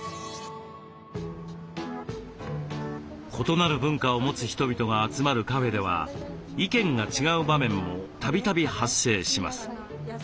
異なる文化を持つ人々が集まるカフェでは意見が違う場面もたびたび発生します。